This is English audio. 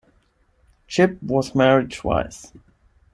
Chipp was married twice.